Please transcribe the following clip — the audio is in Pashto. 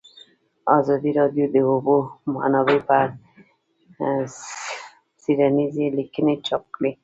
ازادي راډیو د د اوبو منابع په اړه څېړنیزې لیکنې چاپ کړي.